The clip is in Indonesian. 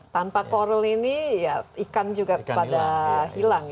tanpa coral ini ikan juga pada hilang